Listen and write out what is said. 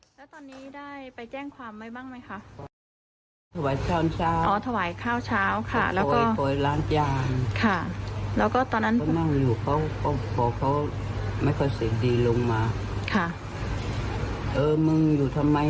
ว่าทำอะไรเราไม่ได้ทำอะไรทีค่ะคือเขาก็ไม่